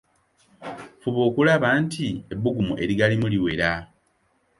Fuba okulaba nti ebbugumu erigalimu liwera..